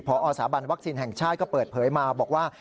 พอสาบันวัคซีนแห่งชาติก็เปิดเผยมาบอกว่า